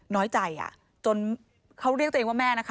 น้อยใจอ่ะจนเขาเรียกตัวเองว่าแม่นะคะ